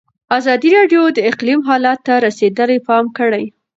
ازادي راډیو د اقلیم حالت ته رسېدلي پام کړی.